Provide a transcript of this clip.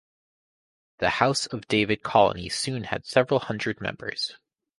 The House of David colony soon had several hundred members.